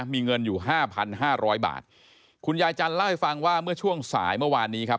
มีเงินอยู่ห้าพันห้าร้อยบาทคุณยายจันทร์เล่าให้ฟังว่าเมื่อช่วงสายเมื่อวานนี้ครับ